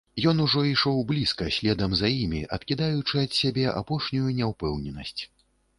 Ён ужо ішоў блізка, следам за імі, адкідаючы ад сябе апошнюю няўпэўненасць.